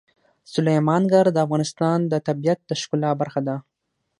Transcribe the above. سلیمان غر د افغانستان د طبیعت د ښکلا برخه ده.